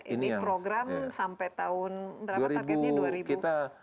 ini program sampai tahun berapa targetnya